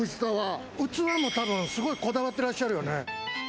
器も多分すごいこだわってらっしゃるよね。